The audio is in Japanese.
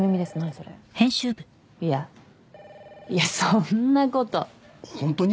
それいやいやそんなこと本当に？